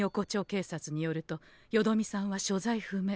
警察によるとよどみさんは所在不明。